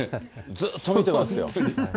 ずっと見てますよ。